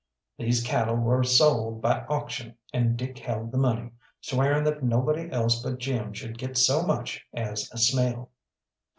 These cattle were sold by auction, and Dick held the money, swearing that nobody else but Jim should get so much as a smell.